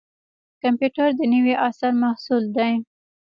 کمپیوټر د نوي عصر محصول دی